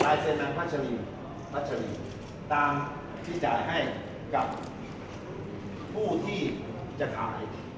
รายเซ็นต์นางพระเจริญตามที่จ่ายให้กับผู้ที่จะขาย